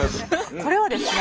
これはですね